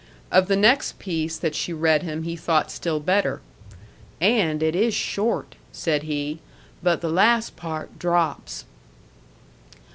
Of the next piece that she read him he thought still better. "And it is short," said he. "But the last part drops."